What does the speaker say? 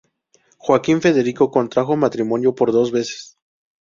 Joaquín Federico contrajo matrimonio por dos veces.